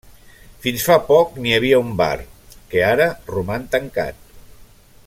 Fins fa poc n'hi havia un bar que ara roman tancat.